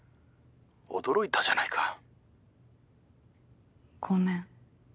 驚いたじゃないか。ごめん。